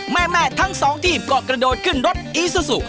แม่แม่ทั้ง๒ทีบก็กระโดดขึ้นรถอีซูซู